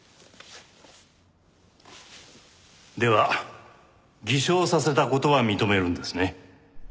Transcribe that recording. では偽証させた事は認めるんですね？